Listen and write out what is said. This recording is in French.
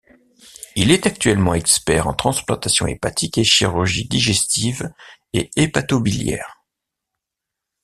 Il est actuellement expert en transplantation hépatique et chirurgies digestive et hépato-biliaire.